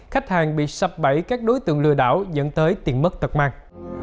khách hàng bị sập bẫy các đối tượng lừa đảo dẫn tới tiền mất tật mang